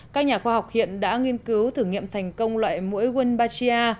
các nhà khoa học hiện đã nghiên cứu thử nghiệm thành công loại mũi wombatia